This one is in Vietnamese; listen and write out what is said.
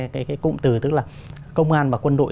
cái cụm từ tức là công an và quân đội